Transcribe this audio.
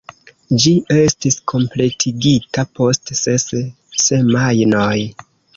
Ĝi estis kompletigita post ses semajnoj.